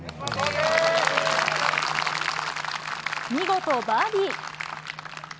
見事バーディー。